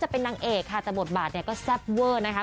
เป็นนางเอกค่ะแต่บทบาทก็แซ่บเว้อนะคะ